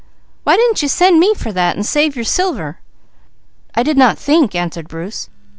"Why didn't you send me and save your silver?" "I did not think," answered Bruce.